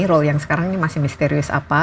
role yang sekarang ini masih misterius apa